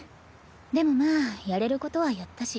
でもまあやれることはやったし。